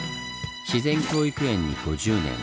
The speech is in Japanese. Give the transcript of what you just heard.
自然教育園に５０年。